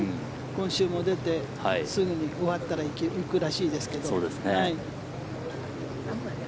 今週も出てすぐに、終わったら行くらしいですけど。